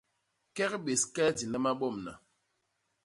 Kek bés kel di nlama bomna.